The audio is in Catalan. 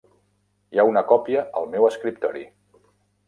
Hi ha una còpia al meu escriptori.